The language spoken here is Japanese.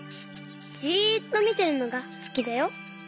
じっとみてるのがすきだよ。